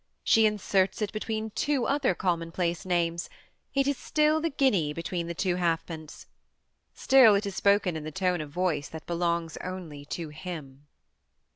She inserts it between two other common place names, it is still the guinea between the two halfpence. Still it is spoken in the tone of voice that belongs only to him.